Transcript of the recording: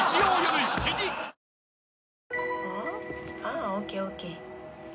あＯＫＯＫ。